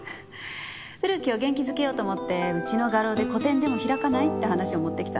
古木を元気づけようと思ってうちの画廊で個展でも開かない？って話を持ってきたの。